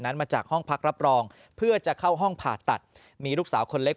มาจากห้องพักรับรองเพื่อจะเข้าห้องผ่าตัดมีลูกสาวคนเล็ก